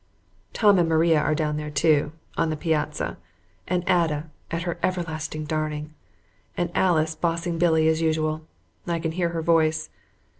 Tom and Maria are down there, too, on the piazza, and Ada at her everlasting darning, and Alice bossing Billy as usual. I can hear her voice.